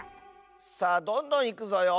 さあどんどんいくぞよ。